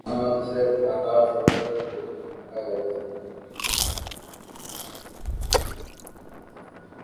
এটা বাংলাদেশের ঢাকা শহরের পুরনো ঢাকায় অবস্থিত।